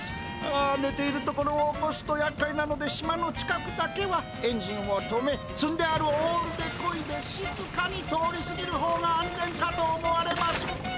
あねているところを起こすとやっかいなので島の近くだけはエンジンを止めつんであるオールでこいでしずかに通りすぎる方が安全かと思われます。